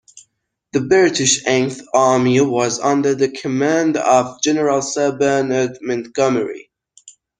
The British Eighth Army was under the command of General Sir Bernard Montgomery.